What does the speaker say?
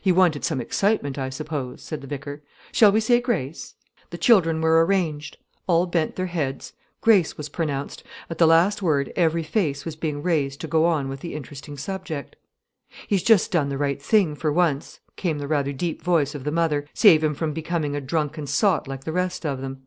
"He wanted some excitement, I suppose," said the vicar. "Shall we say grace?" The children were arranged, all bent their heads, grace was pronounced, at the last word every face was being raised to go on with the interesting subject. "He's just done the right thing, for once," came the rather deep voice of the mother; "save him from becoming a drunken sot, like the rest of them."